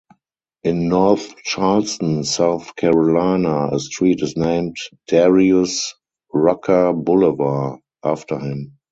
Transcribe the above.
In North Charleston, South Carolina, a street is named "Darius Rucker Boulevard" after him.